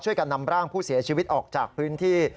การนำร่างผู้เสียชีวิตออกจากพื้นที่